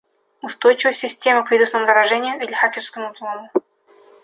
Устойчивость системы к вирусному заражению или хакерскому взлому